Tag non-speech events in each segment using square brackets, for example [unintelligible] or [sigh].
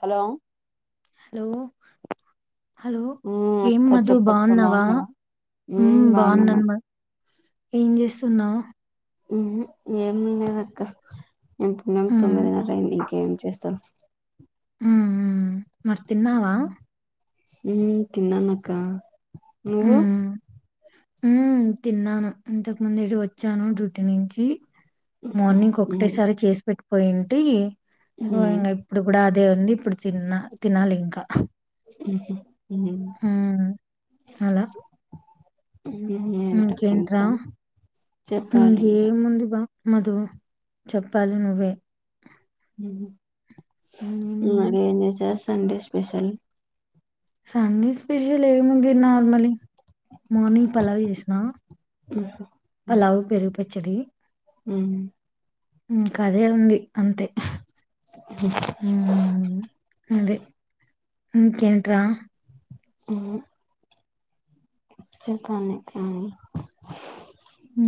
Hello hello hello ఉమ్ ఏం అక్క మధు చెప్పక్క బాగున్నావా ఉమ్ హ్మ్ బాగున్నాను అక్క మద్ ఏం చేస్తున్నావ్ ఉ హ్మ్ ఏమ్ లేదక్కా [unintelligible] తొమ్మిదో హ్మ్ నేల అయింది ఇంకే ఏం చేస్తాం ఆ ఆ మరి తిన్నావా హ్మ్ తిన్నాన అక్క నువ్వు హ్మ్ హ్మ్ తిన్నాను. ఇంతకు ముందే వచ్చాను డ్యూటీ నుంచి ఉహు మార్నింగ్ ఉమ్ ఒకటేసారి చేసి పెట్టు పోయింటి సో ఉమ్ ఇంగ ఇప్పుడు కూడా అ ఏదో ఉంది. ఇప్పుడు తిన్నా తినాలి ఇంకా అఓక హ అలా ఉమ్ ఏంటక్క ఇకేంట్రా ఇంకా ఇంకా ఏముంది బ మధు చెప్పాలి. నువ్వే హ హ్మ్ మరీ ఏం చేసెస్ సండే స్పెషల్ సండే స్పెషల్ ఏముం ముంది నార్మలి మార్నింగ్ పలావ్ చేసిన ఉహు పలావ్ [unintelligible] పచ్చడి హ్మ్ ఇంకా అదే ఉంది. అంతే అదే ఇకెంట్రా ఆ చెప్పండి మామ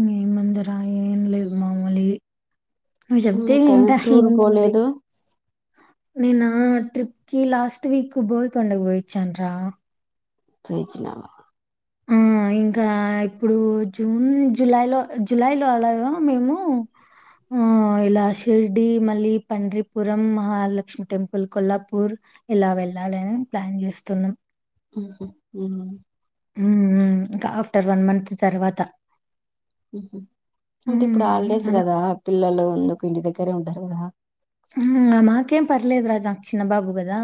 మీ మందర్ ఆ ఏం లేదు మాములి నువ్వు చెప్తే నువ్వే ఇంట ఎక్కడికి టూర్ ఏముంది. పోలేదు నేనా ట్రిప్ కి లాస్ట్ వీక్ బోయితండకి పోయోచ్చాన్రా పిలిచినవా ఆ ఇంకా ఇప్పుడు జూన్ జులై లో జులై లో అలాగా మేము ఆ ఇలా షిర్డి మళ్ళీ పండ్రిపురం మహాలక్ష్మి టెంపుల్ కొల్లాపూర్ ఇలా వెళ్ళాలి అని ప్లాన్ చేస్తున్నాం ఊహూ ఉమ్ ఉమ్మ్ మ్మ్ ఇంకా ఆఫ్టర్ వన్ మంత్ తర్వాత ఊహూ అంటే ఇప్పుడు హ్మ్ హాలిడేస్ అలా కదా పిల్లలు ఎందుకు ఇంటి దగ్గర కడే ఉంటారు రా ఉమ్ మాకేం పర్లేదు రాజ చిన్న బాబు గదా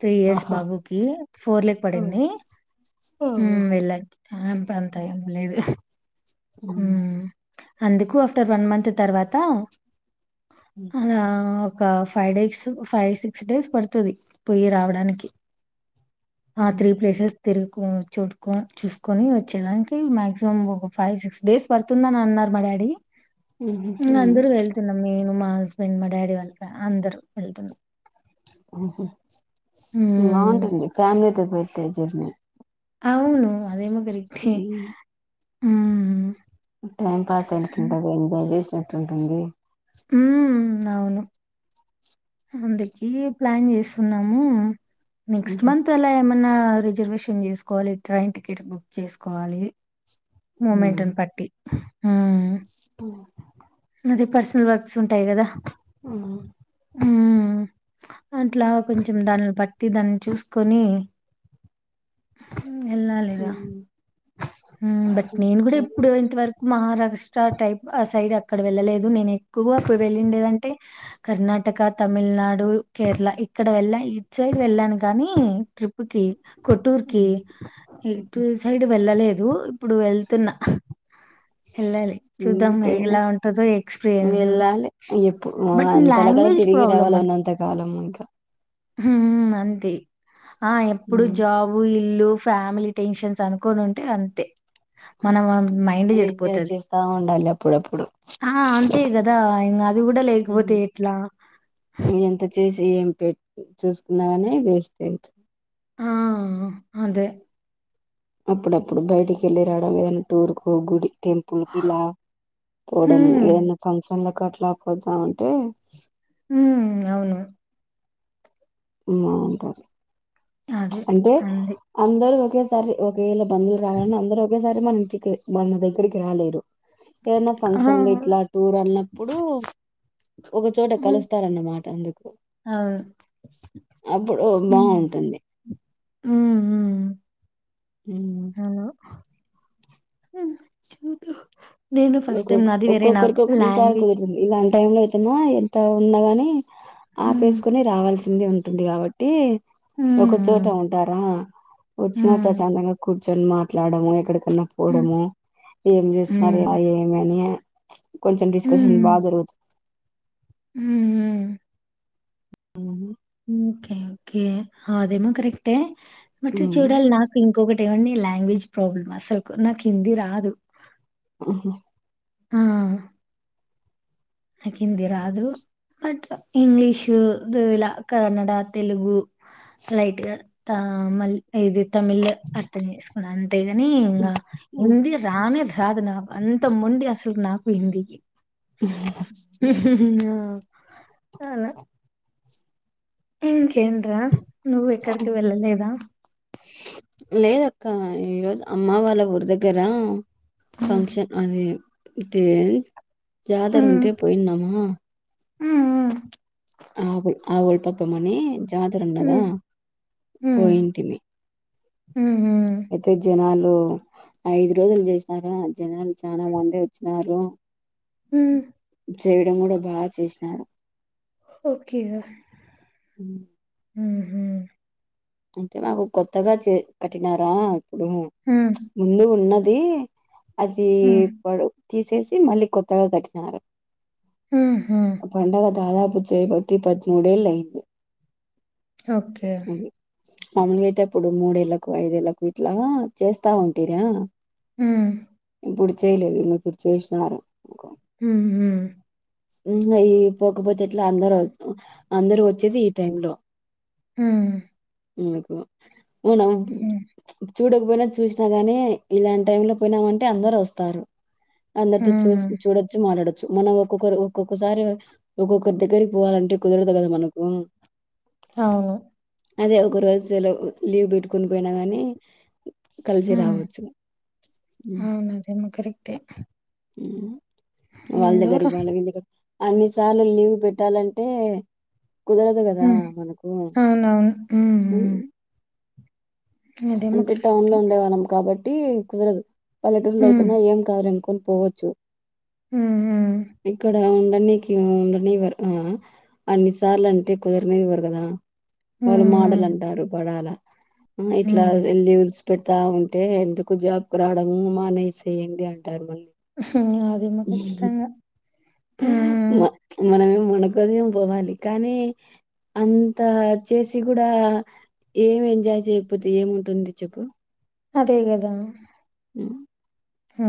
త్రీ ఇయర్స్ ఆహా బాబుకి ఫోర్ లేక్ పడింది ఉమ్ వెళ్ళన్ ఆ అంత అంతా ఎం లేదు ఆ హ్మ్ అందుకు ఆఫ్టర్ వన్ మంత్ తర్వాత అదా ఒక five days five six days పడుతది పోయ్యి రావడానికి హ త్రీ ప్లేసెస్ తిరుకు చుటుకు చూసుకొని వచ్చేదానికి మాక్సిమం ఒక ఫైవ్ సిక్స్ డేస్ పడుతుందని అన్నారు మా డాడీ ఉమ్ అందరు వెళ్తున్నాం నేను మా హస్ బెండ్ మా డాడీ వాళ్ళు అందరూ వెళ్తున్నాం ఆహా హ్మ్ బాగుంటుంది ఫ్యామిలీతో పోతే జర్నీ అవును అదేమో కరెక్టే మ్మ్ టైం పాస్ అయినట్టుంటది ఎంజాయ్ చేస్ ఎట్టుంటుంది ఉమ్ అవును అందుకె ప్లాన్ చేస్తున్నాము నెక్స్ట్ మంత్ అలా ఎమ నా రిజర్వేషన్ చేసుకోవాలి ట్రైన్ టికెట్ బుక్ చేసుకోవాలి మూమెంటును బట్టి మ్మ్ ఉ [inaudible] అది పర్సనల్ వర్క్స్ ఉంటాయి కదా అట్లా కొంచెం దానిని బట్టి దాన్ని చూసుకొని ఎల్లాలిరా ఉమ్ బట్ నేను కూడా ఇప్పుడు ఇంతవరకు మహారాష్ట్ర టైప్ ఆ సైడ్ అక్కడ వెళ్ళలేదు నేను ఎక్కువ అప్పుడు వెళ్ళిందేదంటే కర్ణాటక తమిళనాడు దు కేరళ ఇక్కడ వెళ్ళ ఇట్ సైడ్ వెళ్ళాను కానీ [inaudible] ఓకే కొట్టూర్ కి ఇటు సైడ్ వెళ్ళలేదు. ఇప్పుడూఇప్పుడు వెళ్తున్న వెళ్ళాలి చూద్దాం అంతేలే ఎలా ఉంటాదో ఎక్స్పీరియన్సు వెళ్ళాలి ఎప్పుడు అంతలాగా తిరిగి రావాలి ఉన్నంత కాలం ఇంకా హ్మ్ అంది ఆ ఎప్పుడు జాబు ఇల్లు ఫ్యామిలీ టెన్షన్స్ అనుకొని ఉంటే అం మనం మైండ్ ఎంజాయ్ చెడిపోతది. చేస్తా ఉండాలి అప్పుడప్పుడు ఎంత చేసి ఏం పెట్టి చూసుకున్నాగానే వేస్టే ఆ అదే అప్పుడప్పుడు బయటికి వెళ్ళి రావడం ఏదైనా టూర్ కు గుడి టెంపుల్కి ఇలా పోడము హ్మ్. ఏదైన్న ఫంక్షన్ల క ఎట్లా పోతామంటే హ్మ్ అవును [unintelligible] అదే అంటే అంది. అందరూ ఒకే సారి ఒకేలా బంధువులు రావాలని అందరూ ఒకేసారి అంటే మన ఇంటికి మన దగ్గరికి రాలేరు. ఏదన్నా ఆ! ఫంక్షన్ గిట్లా టూర్ అన్నప్పుడు ఒకచోట హ్మ్. కలుస్తారన్నమాట అవును. అప్పుడు బావుంటుంది. ఊహూ హ్మ్ హ్మ్. చూద్దాం. నేను ఫస్ట్ టైమ్ ఒక్కొక్ నాది వేరే నాకు ఒక్కొక్కరికి ఒక్కొక్కసారి లాంగ్వేజ్ కుదురుతుంది ఇలాంటి టైం లో అయితేనా ఎంత ఉన్నా గాని హ్మ్. ఆపేసుకొని రావాల్సి కిందే ఉంటుంది కాబట్టి ఒక చోట హ్మ్. ఉంటారా వచ్చినా హ్మ్. ప్రశాంతంగా కు చన్ మాట్లాడము ఎక్కడ హ్మ్. వెళ్ళకపోడము ఏం హ్మ్. చేస్తున్నారు, ఎట్ అ హ్మ్. ఏమని కొంచెం డిస్కషన్ బా హ్మ్. జరుగుతుంది హ్మ్ మ్మ్ ఉ ఓకే ఓకే అదేమో కరెక్టే మట్ చూడాలి నాకు ఇంకొకటి అేవీ లాంగ్వేజ్ ప్రాబ్లమ్ అసలు నాకు హిందీ రాదు ఆ ఆహా ఆ నాకు హిందీ రాదు బట్ ఇంగ్లీషు ఇలా కన్నడ తెలుగు లైట్ గా మ ఇది తమిళ్ అర్థం చేసుకున్నా అంతేగాని ఇంకా ఇంది రానే రాదు నాకు అంత మండి అసలు నాకు హిందీక హీ హీ హూ అలా ఎం కేంద్రా నువ్వు ఎక్కడికి వెళ్ళలేదా లేదక్క ఈరోజు అమ్మ వాళ్ళ ఊరి దగ్గరా హ్మ్. ఫంక్షన్ అదే టేన్ జాదర ఉంటే పోయిన్నామా ఉమ్ ఉమ్ ఆవు ఆవులు పాపం అని జాతరన్నద హ్మ్. హ్మ్. పోయింటిని హ్మ్. హ్మ్. అయితే జనాలు ఐదు రోజులు చేసినారా జనాలు చాలా మంద వచ్చినారు ఉమ్ చేయడం కూడా బాగా చేసినాడు ఓకేగ ఉమ్. హుహు అంటే మాకు కొత్తగా చే కట్టినారా ఇప్పుడు హ్మ్. ముందు ఉన్న అది అదీ హ్మ్. పడు తీసేసి మళ్ళీ కొత్తగా కట్టినారు హుహు. పండగ దాద పుచ్చయబట్టి పద్మూ డెల్ ఐదు ఒకే మామలుగా అయితే ఇప్పుడు మూడేళ్లకు ఐదేళ్ళలకు ఇట్లా చేస్తా ఉంటిరా హు పడుచ్చేలే పడి విషారం ఉహుం హు ఈ పోకపోతే ఎట్లా అందరు అందరు వచ్చేది ఈ టైంలో ఉమ్ ఇకు అవున చూడకపోయినా చూసినా గాని ఇలాంటి టైంలో పోయినామంటే అందరు వస్తారు అందరి తో చూ హ్మ్. చూడచ్చు మాట్లాడు మనం ఒక్కొక్కరు ఒక్కొక్కసారి ఒక్కొక్కరి దగ్గరికి పోవాలంటే కుదరదు కదా మనకు అవును లో లీవ్ పెట్టుకని పోయినా గానీ హు అవును అదేమో కరెక్టే మ్ వాళ్ళదగరి ఎందోరా వాళ్ళవిగ అన్ని సార్లు లీవ్ పెట్టాలంటే కుదరదు హు కదా మనకు అవునవును మ్ హ్మ్. మ్ అంటే టౌన్ లో ఉండే వాళ్ళం కాబట్టి టి కుదురదు పల్లెటూర్ల హ్మ్. అయితేనా ఏం కాాదనుకు పోవచ్చు హ్మ్. హ్మ్. ఇక్కడ అన్నిటికి లీవ్ పెడతాం కదా అన్నిసార్లు అంటే కుదరనివ్వరు కదా వాళ్ళు హ్మ్. మాటలు అంటారు పడాల మోతీ ఇట్లా హ్మ్. లీవల్స్ పెడతా ఉంటే ఎందుకు జాబ్ కు రావడము మానేస్యండి అంటారు మనల్ని అదేమో ఖచ్చితంగా మ్ మనకేమో పోవాలి కానీ అంత చేసి కూడా ఏం ఎంజాయ్ చేయ కపోతే ఏముంటుంది చెప్పు అదే కదా మ్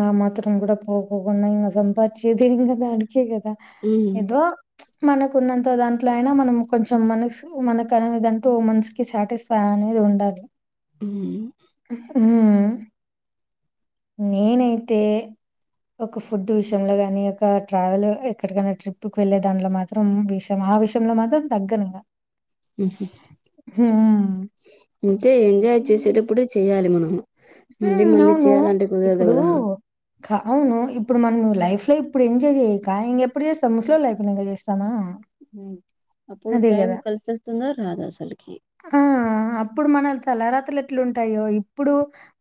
ఆ మాత్రం కూడా పోపోకున్నా ఇ సపాదించింది ఇదా అ అంతే గదా హ్మ్. ఏదో మనకు ఉన్నంత దాంట్లో అయినా మనం కొంచెం మనసు మనకు అనేదంటూ మనిషికి సాటిస్ఫై అనేది ఉండాలి హ్మ్. అ మ్ నేనైతే ఒక ఫుడ్ విషయంలో గాని ఒక ట్రావెల్ ఎక్కడికైనా ట్రిప్పు కి వెళ్ళే దానిట్లో మాత్రం విషయం ఆ విషయంలో మాత్రం తగ్గను ఇంగ ఊహు అంతే ఎంజాయ్ హ్మ్. చేసేటప్పుడే చెయాలి మనం మళ్ళీ హ్మ్. మళ్ళీ అవును. చెయాలంటే కుదరదు ఇప్పుడు కదా అవును ఇప్పుడు మనం లైఫ్ లో ఇప్పుడు ఎంజాయ్ చేయక ఇంకెప్పుడు చేస్తాం ముస్లోల్లం అయినాంక చేస్తామా మ్మ్ అప్పుడు అదే టైం గదా! కలిసి వస్తుంధో రాధో అసలకి ఇప్పుడు మన తలరాతలు ఎట్ల ఉంటాయో ఇప్పుడు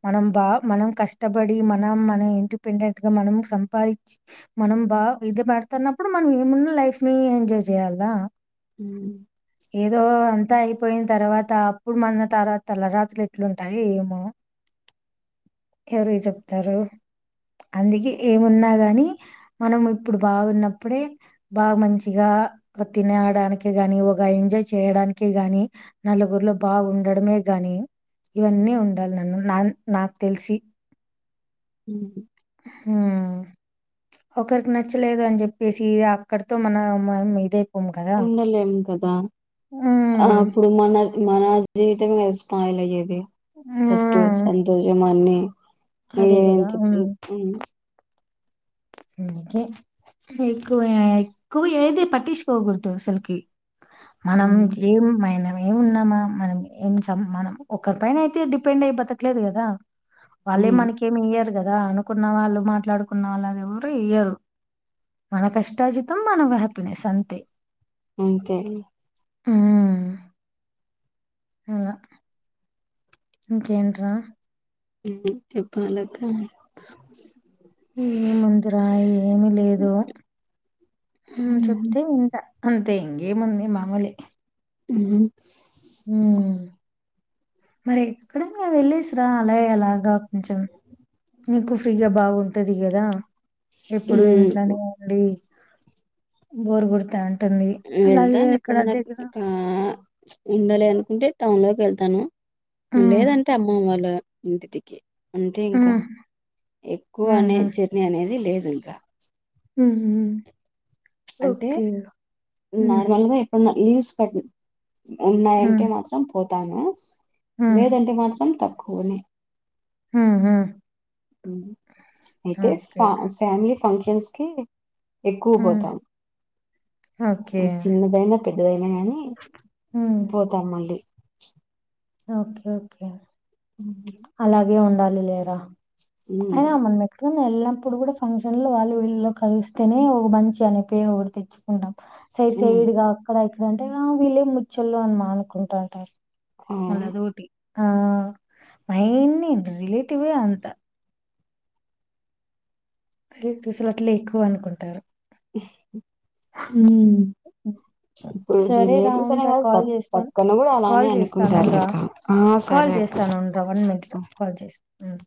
మనం బాగా మనం కష్టపడి మనం మన ఇండిపెండెంట్ గా మనం సంపాదించి మనం బాగా ఇది పెడుతున్నప్పుడు మనం ఏమున్నా లైఫ్ ని ఎంజాయ్ చేయాలా హ్మ్. ఏదో అంత అయిపోయిన తర్వాత అప్పుడు మన తర్ తల రాత్రలు ఎట్లుంటాయి ఏమో ఎవరు చెప్తారు అందుకే ఏమున్నా గాని మనం ఇప్పుడు బాగున్నప్పుడే బాగా మంచిగా తినడానికి గాని ఒక ఎంజాయ్ చేయడానికి గాని నలుగురిలో బాగుండడమే గాని ఇవన్నీ ఉండాలి నాన్న నాన్ నాకు తెలిసి మ్మ్ మ్మ్ ఒకరికి నచ్చలేదు అని చెప్పేసి అక్కడితో మన ఇదే ఉండలేము కద ఆ హ్మ్ అప్పుడు మన మన జీవితం స్పాయిల్ అయ్యేది ఫస్ట్ ఆ సంతోషమాన్ అదే కదా [unintelligible] కేకు ఎక్కువ ఏది పటిించకోకూడదుసలుకి మనం హ్మ్. ఏమైనా మ ఏమున్నామా మనం ఏం మనం ఒకరి పన అయితే డిపెండ్ అయి బతలేదు కదా వాళ్ళే హ్మ్. మనకేమి ఇయ్యరు కద అనుకున్నా వాళ్ళు మాట్లాడుకున్నా వాళ్ళదే ఈయరు మన కష్టాజితం మనం హ్యాపీనెస్ అంతే అంతే మ్మ్ హమ్ ఇంకేంట్ర మ్మ్ చెప్పాలక్క ఏ ముందిరా ఏమి లేదు హమ్ చెప్తే వింట అంతే ఇంగే ముంది మామూలే హ్మ్ హమ్ మరి ఎక్కడనా వెళ్లేసిరా ఆలే అలాగా కొంచెం నీకు ఫ్రీగా బాగుంటది గదా ఎప్పుడు ఇంట్లనే ఉండి బోర్ కొడతా ఉంటుంది అలాగే వెళ్తాను అక్కడ ఎప్పుడన్నా దగ్గర కా ప్చ్.. ఉండలి అనుకుంటే టౌ వెళ్తాను హ్మ్ లేదంటే అమ్మమ్మ వాళ్ళ ఇంతతిక్కి అంతే ఇంక హ్మ్ ఎక్కువ హ్మ్ హ్మ్ అనే హ్మ్. జర్నీ అనేది లే ఇంకా హ్మ్ హు అంటే హ్మ్. నార్మల్గా ఎప్పు లీస్ పట్ ఉన్నాయంటే హ్మ్. మాత్రం పో తాను హ్మ్. లేదంటే మాత్రం త కోలీ హ్మ్ హు హ్మ్ అయితే ఫ ఫ్యామిలీ ఫంక్షన్సకి ఎక్కువ హ్మ్. పోతాం ఓకే. చిన్నదైనా పెద్దదై నా కాని హ్మ్. పోతాం మళ్ళీ చ్ ఓకే ఓకే అలాగే ఉండా లేరా హ్మ్ వెళ్ళినప్పుడు కూడా ఫంక్షన్ లో వాళ్ళు వీళ్ళలో కలిస్తేనే ఒక మంచి అనే పేరు ఒకటి తెచ్చుకుంటాం సైడ్ ఉమ్, సైడ్ గా అక్కడ ఇ ఇప్పుడంటేగా వీళ్ళే ముచ్చోళ్లు అని మా అనుకుంటుంటారు ఆ మళ్ళీ అదోటి ఆ మైన్ని రిలేటివ్వె అంత ఎ తుస్సులు అట్లే ఎక్కువ అనుకుంటారు హ్మ్ ఉమ్. ఇప్పుడు సరేరా రిలేటివ్స్ అనే ఉంటా కాదు కాల్ స- చేస్తాను పక్కన కూడా అలానే కాల్ చేస్తాను అనుకుంటారు ఉండ్రా లేక ఆ కాల్ సరే అక్క చేస్తాను ఉండ్రా వన్ మినిట్ రా కాల్ చేస్తా హ్మ్